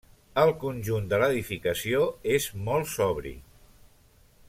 El conjunt de l'edificació és molt sobri.